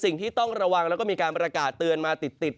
สิ่งที่ต้องระวังแล้วก็มีการประกาศเตือนมาติด